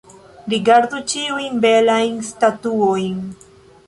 Rigardu ĉiujn belajn statuojn.